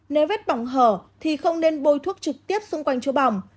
nếu vết bỏng hở thì không nên bôi thuốc trực tiếp xung quanh chúa bỏng